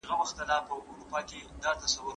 کاروان